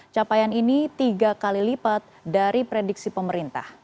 capaian ini tiga kali lipat dari prediksi pemerintah